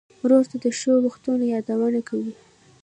ورور ته د ښو وختونو یادونه کوې.